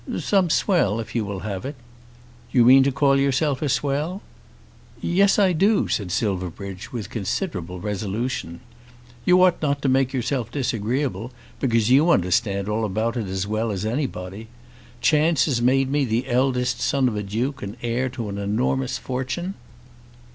"Some swell, if you will have it." "You mean to call yourself a swell?" "Yes I do," said Silverbridge, with considerable resolution. "You ought not to make yourself disagreeable, because you understand all about it as well as anybody. Chance has made me the eldest son of a Duke and heir to an enormous fortune.